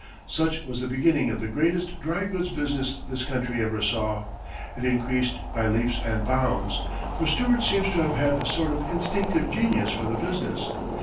Such was the beginning of the greatest dry goods business this country ever saw. It increased by leaps and bounds, for Stewart seems to have had a sort of instinctive genius for the business.